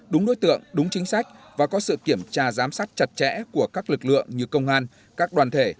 đúng đối tượng đúng chính sách và có sự kiểm tra giám sát chặt chẽ của các lực lượng như công an các đoàn thể